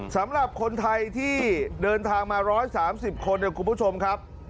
สำหรับคนไทยที่เดินทางมา๑๓๐คนเนี่ยคุณผู้ชมครับ